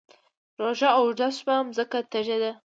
روژه اوږده شوه مځکه تږې ده